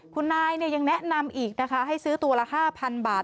คุณนายยังแนะนำอีกนะคะให้ซื้อตัวละ๕๐๐บาท